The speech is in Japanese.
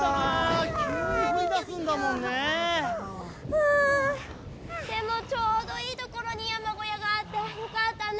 うんでもちょうどいいところにやまごやがあってよかったね。